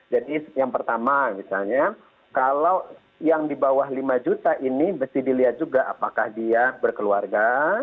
jadi yang pertama misalnya kalau yang di bawah lima juta ini mesti dilihat juga apakah dia berkeluarga